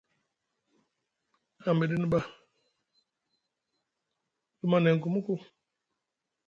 A midini ɓa luma neŋ ku muku.